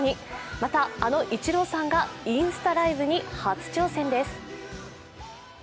また、あのイチローさんがインスタライブに初挑戦です。